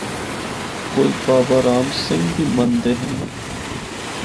کوئی بابارام سنگھ دی مندے ہن۔